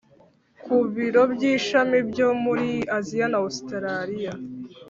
ku biro by ishami byo muri Aziya na Ositaraliya